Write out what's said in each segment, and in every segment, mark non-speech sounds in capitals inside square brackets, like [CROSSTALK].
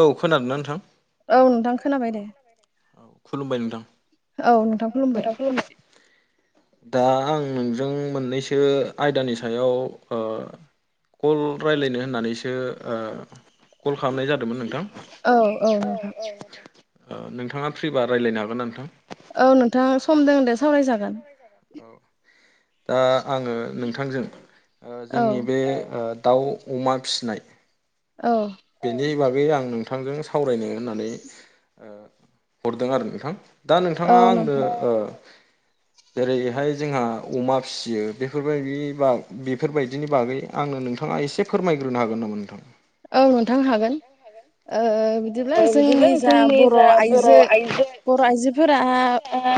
औ खोनादों ना नोंथां खोनाबाय दे खुलुमबाय नोंथां औ नोंथां खुलुमबाय दा आं नोंजों मोननैसो आयदानि सायाव ओ कल रायलायनो होननानैसो ओ कल खालामनाय जादोंमोन नोंथां? नोंथाङा फ्रिबा रायलायनो हागोन नोंथां। औ नोंथां सम दं दे सावरायजागोन। औ दा आङो नोंथांजों ओ जोंनि बे दाउ अमा फिसिनाय बेनि बागै आं नों नोंथांजों सावरायनो होननानै ओ हरदों आरो नोंथां। दा नोंथाङा आंनो ओ जेरैहाय जोंहा अमा फिसियो बेफोरबायदि बा बेफोरबायदिनि बागै आंनो नोंथाङा एसे फोरमायग्रोनो हागोन नामा नोंथां? औ नोंथां हागोन ओ ओ बिदिब्ला जोंनि जा बर' आइजो बर' आइजोफोरा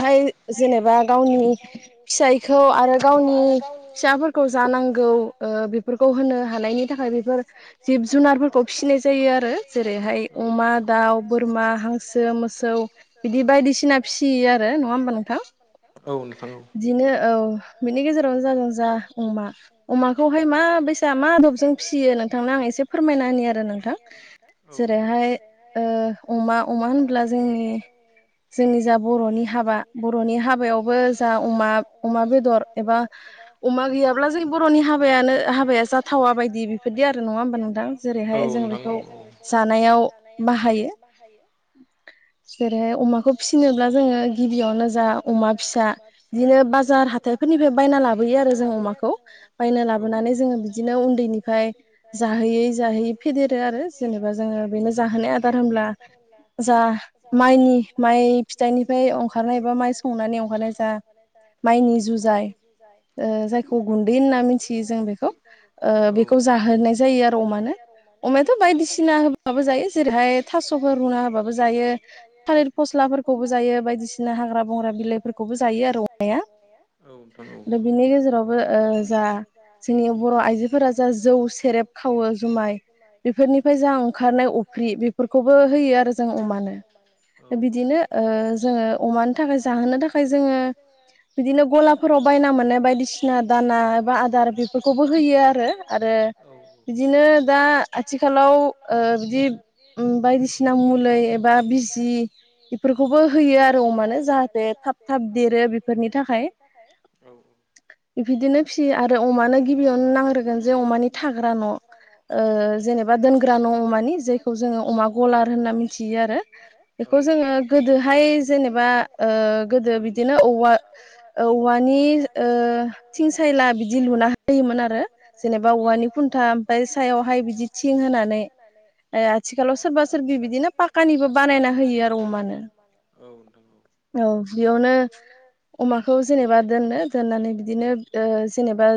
हाय जेनेबा गावनि फिसाय खौ आरो गावनि फिसाफोरखौ जा नांगौ ओ बेफोरखौ होनो हानायनि थाखाय बेफोर जिब जुनारफोरखौ फिसिनाय जायो आरो जेरैहाय अमा दाउ बोरमा हांसो मोसौ बिदि बायदिसिना फिसियो आरो नङा होमबा नोंथां बिदिनो औ बिनि गेजेरावनो जा जादों जा अमा अमाखौहाय मा बायसा मा आदबजों फिसियो नोंथांनो आं एसे फोरमायना होनि आरो नोंथां। जेरैहाय ओ अमा अमा होनब्ला जोंनि जोंनि जा बर'नि हाबा बर'नि हाबायावबो जा अमा अमा बेदर एबा अमा गैयाब्ला जों बर'नि हाबायानो हाबाया जाथावा बायदि बेफोर बिदि आरो नङा हबा नोंथां जेरैहाय जों बेखौ जानायाव बाहायो। [INAUDIBLE] जेरैहाय अमाखौ फिसिनोब्ला जोङो गिबियावनो जा अमा फिसा बिदिनो बाजार हाइफोरनिफ्राय बायना लाबोयो आरो जों अमाखौ बायना लाबोनानै जोङो बिदिनो उन्दैनिफ्राय जाहैयै जयो फेदेरो आरो जेनेबा जोङो बेनो जाहोनाय आदार होनब्ला जा माइनि माइ फिथाइनिफ्राय ओंखारनाय बा माइ संनानै ओंखारनाय जा माइनि जुजाय ओ जायखौ गुन्दै होनना मिथियो जों बेखौ बेखौ जाहोनाय जायो आरो अमानो अमायाथ' बायदिसिना होबाबो जायो जेरैहाय थास'फोर रुना होबाबो जायो थालिर फस्ला फोरखौबो जायो बायदिसिना हाग्रा बंग्रा बिलाइफोरखौबो जायो आरो अमाया। औ नोंथां आरो बिनि गेजेरावबो ओ जा जोंनि बर' आइजोफोरा जा जौ सेरेब खावो जुमाय बेफोरनिफ्राय जा ओंखारनाय अफ्रि बेफोरखौबो होयो आरो जों अमानो। बिदिनो ओ जोङो अमानि थाखाय जाहोनो थाखाय जोङो बिदिनो गलाफोराव बायना मोननाय बायदिसिना दाना एबा आदार बेफोरखौबो होयो आरो आरो औ औ बिदिनो दा आथिखालाव ओ जुदि बायदिसिना मुलि एबा बिजि बेफोरखौबो होयो आरो अमानो जाहाथे थाब थाब देरो बिफोरनि थाखाय औ बिदिनो फिसियो आरो अमानो गिबियावनो नांग्रोगोन जे अमानि थाग्रा न' ओ जेनेबा दोनग्रा न' अमानि जायखौ जोङो अमा गलार होनना मिथियो आरो। बेखौ जोङो गोदोहाय जेनेबा ओ गोदो बिदिनो औवा औवानि ओ थिं सायला बिदि लुना होयोमोन आरो जेनेबा औवानि खुन्था बे सायावहाय बिदि थिं होनानै ए आथिखालाव सोरबा सोरबि बिदिनो पाकानिबो बानायना होयो आरो अमानो औ बेयावनो अमाखौ जेनेबा दोननो दोननानै बिदिनो जेनेबा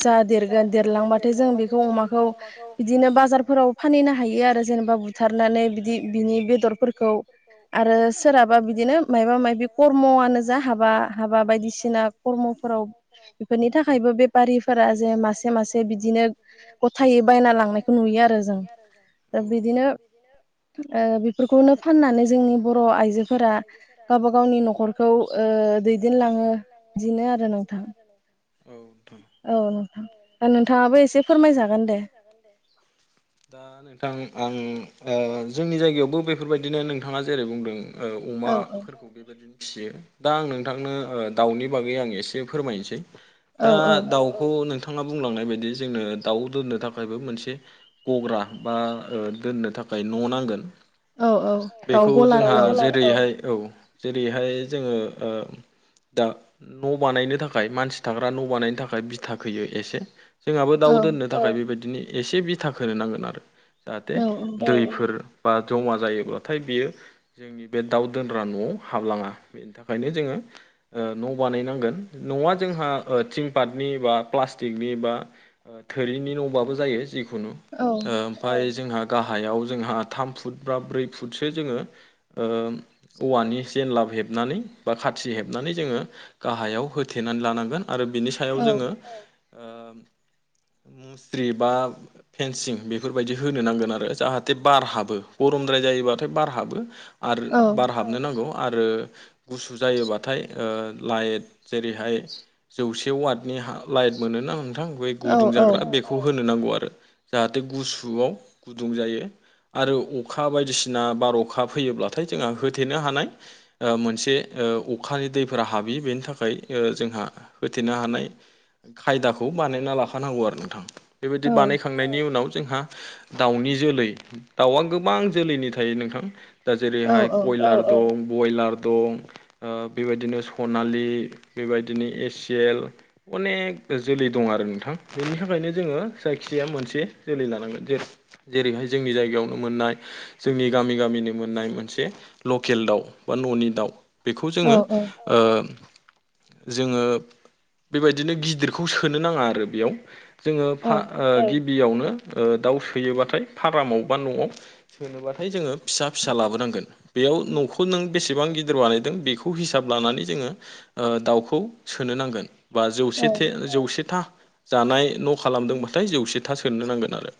जा देरगोन देरलांबा जा जों बेखौ अमाखौ बिदिनो बाजारफोराव फानहैनो हायो आरो जेनेबा बुथारनानै बिदि बिनि बेदरफोरखौ आरो सोरहाबा बिदिनो माबा माबि खर्मआनो जा हाबा हाबा बायदिसिना खर्मफोराव बेफोरनि थाखायबो बेफारिफोरा जे मासे मासे दिनो गथायै बायना लांनायखौ नुयो आरो जों बिदिनो ओ बेफोरखौनो फाननानै जोंनि बर' आइजोफोरा गावबा गावनि न'खरखौ ओ दैदेनलाङो बिनो आरो नोंथां। औ नोंथां दा नोंथाङाबो एसे फोरमायजागोन दे। दा नोंथां आं जोंनि जायगायावबो बेफोरबायदिनो नोंथाङा जेरै बुंदों अमाफोरखौ बेबायदिनो फिसियो दा आं नोंथांनो दाउनि बागै आं एसे फोरमायनोसै। दा दाउखौ नोंथां बिथाङा बुंलांनाय बायदि जोंनो दाउ दोननो थाखायबो मोनसे गग्रा बा दोननो थाखाय थाखाय न' नांगोन बेखौ जोंहा जेरैहाय औ जेरैहाय जोङो दा न' बानायनो थाखाय मानसि थाग्रा न' बानायनो थाखाय बिथा खैयो एसे जोंहाबो दाउ दोननो थाखाय बेबायदिनो एसे बिथा खोनो नांगोन आरो जाहाथे दैफोर बा जमा जायोब्लाथाय बियो जोंनि बे दाउ दोनग्रा न'आव हाबलाङा बेनि थाखायनो जोङो न' बानायनांगोन न'आ जोंहा थिंपाटनि बा प्लास्टिकनि बा थोरिनि न'बाबो जायो जिखुनु ओमफ्राय जोंहा गाहायाव जोंहा थाम फुट बा ब्रै फुटसो जोङो ओ औवानि जेन लाब हेबनानै बा खा थि हेबनानै जोङो गाहायाव होथेनानै लानांगोन आरो बिनि सायाव जोङो ओ मुस्रि बा फेनसिं बेफोरबायदि होनो नांगोन आरो जाहाथे बार हाबो बर' गरमद्राय जायोबाथाय बार हाबो आर बार हाबनो नांगौ आरो गुसु जायोबाथाय ओ लाइट जेरैहाय जौसे वाटनि लाइट मोनोना थां बै गुदुं जाग्रा बेखौ होनो नांगौ आरो जाहाथे गुसुआव गुदुं जायो आरो अखा बायदिसिना बार अ'खा फैयोब्लाथाय जोंहा होथेनो हानाय मोनसे अखानि दैफोरा हाबियो बेनि थाखाय जोंहा होथेनो हानाय खायदाखौ बानायना लाखानांगौ आरो नोंथां बेबायदि बानायखांनायनि उनाव जोंहा दाउनि जोलै दाउआ गोबां जोलैनि थायो नोंथां दा जेरैहाय कयलार दं बयलार दं ओ बेबायदिनो सनालि बेबायदिनो एसि एल अनेक जोलै दङ आरो नोंथां बेनि थाखायनो जोङो जायखिजाया मोनसे जोलै लानांगोन जे जेरैह जोंनि जायगायाव नो मोननाय जोंनि गामि गामिनि मोननाय मोनसे लकेल दाउ बा न'नि दाउ बेखौ जोङो ओ जोङो बेबायदिनो गिदिरखौ सोनो नाङा आरो बेयाव जोङो फा ओ गि बियावनो ओ दाउ सोयोबाथाय फारामाव बा न'आव सोनोबाथाय जोङो फिसा फिसा लाबोनां गोन बेयाव न'खौ नों बेसेबां गिदिर बानाय दों बेखौ हिसाब लानानै जोङो दाउखौ सोनो नांगोन बा जौसेे जौसेथा जानाय न' खालामदोंबाथाय जौसे था सोननो नांगोन आरो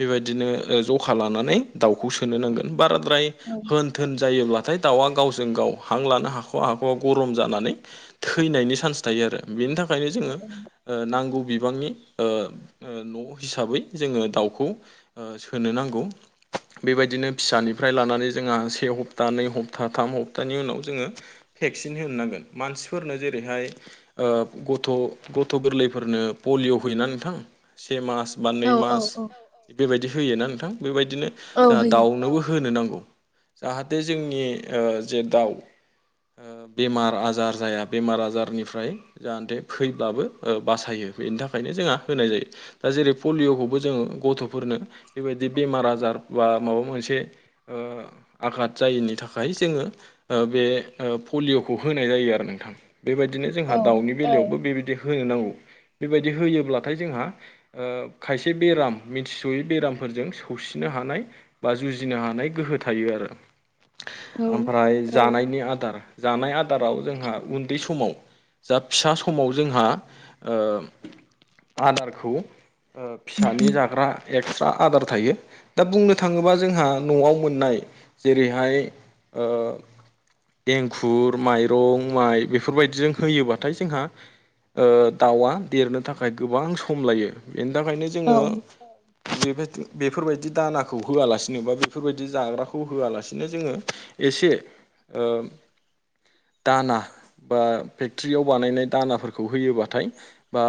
बेबायदिनो जखा लानानै दाउखौ सोनो नांगोन बाराद्राय होन थोन जायोब्लाथाय दाउआ गावजों गाव हां लानो हाख'वा हाख'वा गरम जानानै थैनायनि चान्स थायो आरो बेनि थाखाय बेखायनो जोङो नांगौ बिबांनि न' हिसाबै जोङो दाउखौ सोनो नांगौ। बेबायदिनो फिसानिफ्राय लानानै जोंहा से हप्ता नै हप्ता थाम हप्ता उनाव जोङो भेक्सिन होनांगोन मानसिफोरनो जेरैहाय गथ' गथ' गोरलैफोरनो पलिअ' होयोना नोंथां। से मास बा नै मास बेबायदि होयोना नोंथां बेबायदि बिदिनो जोंहा दाउनोबो होनो नांगौ जाहाथे जोंनि जे दाउ बेमार आजार जाया बेमार आजारनिफ्राय जाहाथे फैब्लाबो ओ बासायो बेनि थाखायनो जोंहा होनाय जायो दा जेरै पलिअ'खौबो जों गथ'फोरनो बेबायदि बेमार आजार बा माबा मोनसे आघात जायैनि थाखाय जोङो बे पलिअ'खौ होनाय जायो आरो नोंथां बेबायदिनो जोंहा दाउनि बेलायावबो बेबायदि बिदि होनो नांगौ। बेबायदि होयोब्लाथाय जोंहा खायसे बेराम मिथिस'यै बेरामफोरजों सौसिनो हनाय बा जुजिनो हानाय गोहो थायो आरो औ ओमफ्राय जानायनि आदार जानाय आदाराव जोंहा उन्दै समाव जा फिसा समाव जोंहा ओ आदारखौ ओ फिसानि जाग्रा एक्सट्रा आदार थायो दा बुंनो थाङोबा जोंहा न'आव मोननाय जेरैहाय ओ एंखुर माइरं माइ बेफोरबायदिजों होयोबाथाय जोंहा ओ दाउआ देरनो थाखाय गोबां सम लायो बेनि थाखायनो जोङो बेबायदि बेफोरबायदि दानाखौ होआलासिनो बा बेफोरबायदि जाग्राखौ होआलासिनो जोङो एसे दाना बा फेक्ट्रियाव बानायनाय दानाफोरखौ होयोबाथाय बा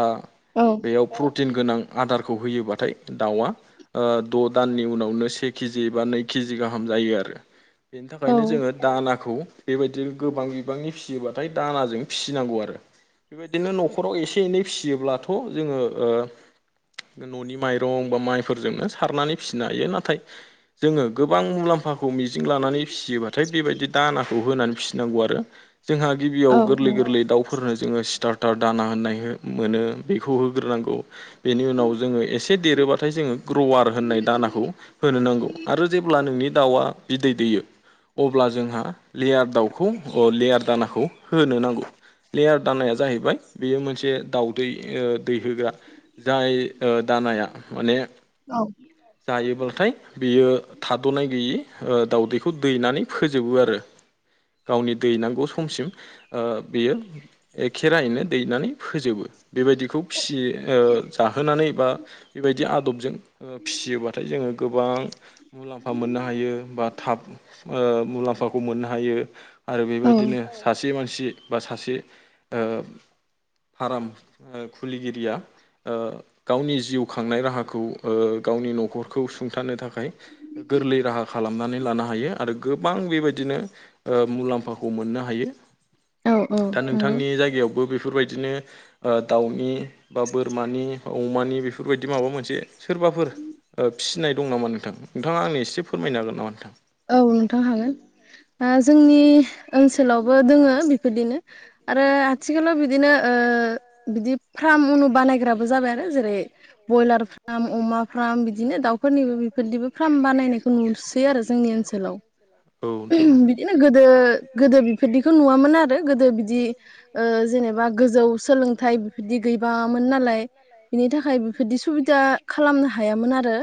बेयाव प्रटिन गोनां आदारखौ होयोबा नाथाय दाउआ द' दाननि उनावनो से केजि बा नै केजि गाहाम जायो आरो ओंखायनो जोङो दानाखौ बेबायदि गोबां बिबांनि फिसियोबाथाय दानाजों फिसिनांगौ आरो बेबायदिनो न'खराव एसे एनै फिसियोब्लाथ' जोङो न'नि माइरं बा माइफोरजोंनो सारनानै फिसिनो हायो नाथाय जोङो गोबां मुलाम फाखौ मिजिं लानानै फिसियोबाथाय बेबायदि दानाखौ होनानै फिसिनांगौ आरो। जोंहा गिबियाव गोरलै गोरलै दाउफोरनो जोङो स्टार्ट टार दाना होननाय मोनो बेखौ होग्रोनांगौ बेनि उनाव जोङो एसे देरोबाथाय जोङो ग्रवार होननाय दानाखौ होनो नांगौ आरो जेब्ला नोंनि दाउआ बिदै दैयो अब्ला जोंहा लेयार दाउखौ लेयार दानाखौ होनो नांगौ। लेयार दाननाया जाहैबाय बेयो मोनसे दाउदै दैहोग्रा जाय ओ जानाया माने जायोब्लाथाय बियो थाद'नाय गैयै ओ दाउदै बेखौ दैनानै फोजोबो आरो। गावनि दैनांगौ समसिम बेयो एखेरायैनो दैनानै फोजोबो। बेबायदिखौ फिसि जाहोनानै बा बेबायदि आदबजों फिसियोबाथाय जोङो गोबां मुलाम्फा मोननो हायो बा थाब ओ मुलाम्फाखौ मोननो हायो आरो बेबायदिनो सासे मानसि बा सासे फार्म खुलिगिरिया गावनि जिउ खांनाय राहाखौ गावनि न'खरखौ सुंथानो थाखाय गोरलै राहा खालामनानै लानो हायो। आरो गोबां बेबायदिनो मुलाम्फाखौ मोननो हायो। दा नोंथांनि जायगायावबो बे फोरबायदिनो दाउनि बा बोरमानि अमानि बेफोरबायदि माबा मोनसे सोरबाफोर फिसिनाय दं नामा नोंथां नोंथाङा आंनि एसे फोरमायनो हागोन नामा नोंथां। औ नोंथां हागोन जोंनि ओनसोलावबो दोङो बेफोरदिनो आरो आथिखालाव बिदिनो बिदि। फार्म उनु बानायग्राबो जाबाय आरो जेरै बयलार फार्म अमा फार्म बिदिनो दाउफोरनिबो। फोरदिबो फार्म बानायनायखौ नुसै आरो जोंनि ओनसोलाव बिदिनो गोदो। गोदो बेफोरदिखौ नुवामोन आरो। गोदो बिदि जेनेबा गोजौ सोलोंथाइ बिफोरदि गैबामोन नालाय। बिनि थाखाय बेफोरबायदि सुबिदा खालामनो हायामोन आरो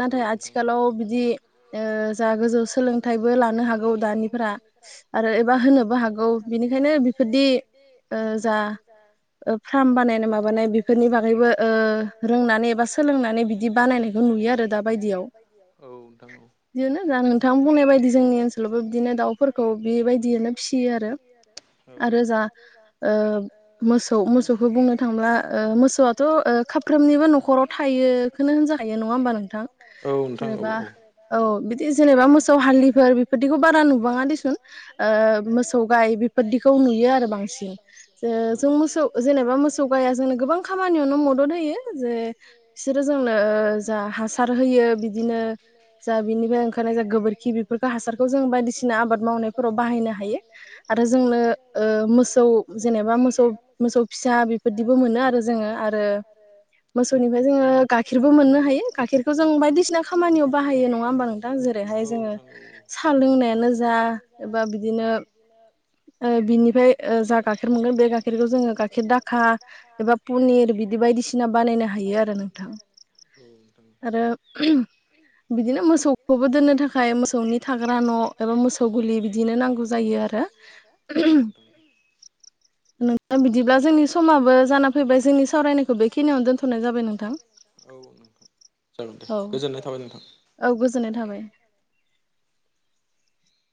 नाथाय आथिखालाव बिदि। जा गोजौ सोलोंथाइबो लानो हागौ दानिफोरा आरो एबा होनोबो हागौ बिनिखायनो। नो बेफोरदि जा फार्म बानायनाय माबानाय बेफोरनि बागैबो रोंनानै एबा सोलोंनानै बिदि बानायनाय नु रो आरो दा बायदियाव औ नोंथां औ। बिदिनो नोंथां बुंनाय बायदि जोंनि ओनसोलावबो बिदिनो दाउफोरखौ बेबायदियनो फिसियो आरो। आरो जा मोसौ मोसौखौ बुंनो थांब्ला मोसौआथ' खाफ्रोमनिबो न'खराव थायोखौनो होनजाखायो नङा होमबा नोंथां जेनेबा। औ बिदि जेनेबा मोसौ हाल्लिफोर बेफोरदिखौ बारा नुबाङा देसुन मोसौ गाय बिखौ नुयो आरो बांसिन जों मोसौ जेनेबा मोसौ गाया जोंनो गोबां खामानियावनो मद द होयो जे बिसोरो जोंनो जा हासार होयो बिदिनो। जा बिनिफ्राय ओंखारनाय जा गोबोरखि बेफोरखौ हासारखौ जों बायदिसिना आबाद मावनायफोराव बाहायनो हायो। आरो जों आरो जों। मोसौ जेनेबा मोसौ मोसौ फिसा बेफोरदिबो मोनो आरो जोङो आरो। मोसौनिफ्राय जोङो गाइखेरबो मोननो हायो गाइखेरखौ जों बायदिसिना खामानियाव बाहायो नङा। होमबा नोंथां जेरैहाय जोङो साहा लोंनायानो जा एबा बिदिनो। बिनिफ्राय जा गाइखेर मोनगोन बे गाइखेरखौ जोङो गाइखेर दाखा एबा पनिर बिदि बायदिसिना बानायनो हायो आरो नोंथां आरो। बिदिनो मो मोसौखौबो दोननो थाखाय मोसौनि थाग्रा न' एबा मोसौ गुलि बिदिनो नांगौ जायो आरो। [INAUDIBLE] [INAUDIBLE] नोंथां बिदिब्ला जोंनि समाबो जाना फैबाय जोंनि सावरायनायखौ बेखिनियावनो दोनथ'नाय जाबाय नोंथां। औ नोंथां जागोन दे गोजोननाय थाबाय नोंथां।